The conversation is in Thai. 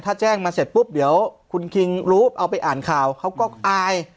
ถ้าแจ้งมาเสร็จปุ๊บเดี๋ยวคุณคิงรู้เอาไปอ่านข่าวเขาก็อาย